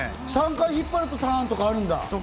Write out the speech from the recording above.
３回引っ張るとターンとかあるんだ。